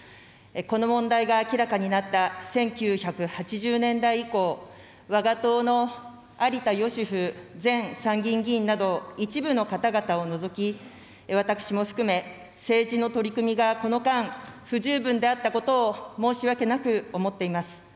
この問題が明らかになった１９８０年代以降、わが党の有田芳生前参議院議員など、一部の方々を除き、私も含め、政治の取組がこの間、不十分であったことを申し訳なく思っています。